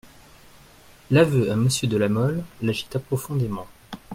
L'aveu à Monsieur de La Mole l'agita profondément.